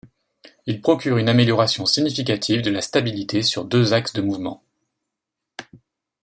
Il procure une amélioration significative de la stabilité sur deux axes de mouvement.